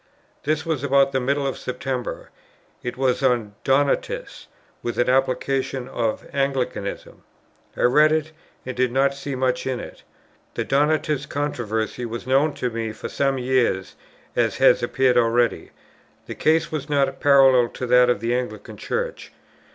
This was about the middle of September. It was on the Donatists, with an application to Anglicanism. I read it, and did not see much in it. The Donatist controversy was known to me for some years, as has appeared already. The case was not parallel to that of the Anglican Church.